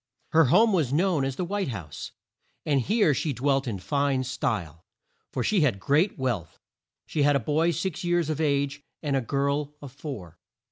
Her home was known as the White House, and here she dwelt in fine style, for she had great wealth. She had a boy six years of age, and a girl of four.